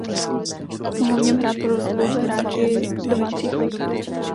Mohou v něm hrát pouze hráči z domácích lig.